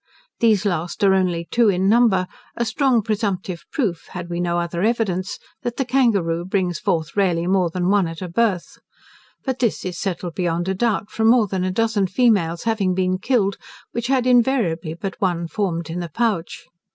These last are only two in number, a strong presumptive proof, had we no other evidence, that the kangaroo brings forth rarely more than one at a birth. But this is settled beyond a doubt, from more than a dozen females having been killed, which had invariably but one formed in the pouch.